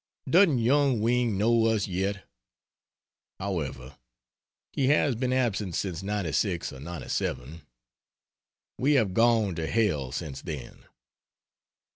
Doesn't Yung Wing know us yet? However, he has been absent since '96 or '97. We have gone to hell since then.